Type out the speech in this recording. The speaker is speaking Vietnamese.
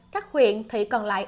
các huyện thì còn lại